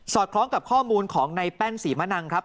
คล้องกับข้อมูลของในแป้นศรีมะนังครับ